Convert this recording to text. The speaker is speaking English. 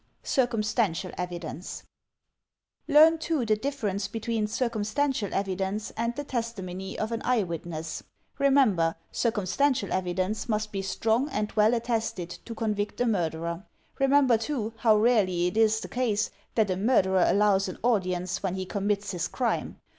Circumstantial Evidence Learn, too, the difference between circumstantial evidence and the testimony of an eye witness. Remember, drcum EVIDENCE 259 stantial evidence must be strong and well attested to con vict a murderer. Remember, too, how rarely it is the case that a murderer allows an audience when he commits his crime.